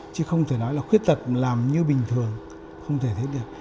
chứ không thể nói là khuyết tật làm như bình thường không thể thấy được